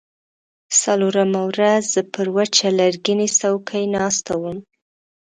څلورمه ورځ زه پر وچه لرګینۍ څوکۍ ناسته وم.